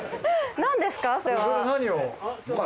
何ですか？